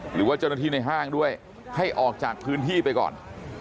หรือว่าเจ้าหน้าที่ในห้างด้วยให้ออกจากพื้นที่ไปก่อน